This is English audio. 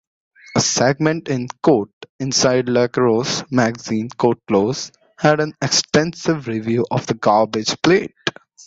A segment in "Inside Lacrosse Magazine" had an extensive review of the Garbage Plate.